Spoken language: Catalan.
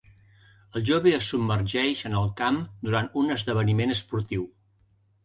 El jove es submergeix en el camp durant un esdeveniment esportiu.